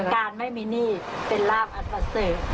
การไม่มีหนี้เป็นราบอัตเวอร์เสร็จ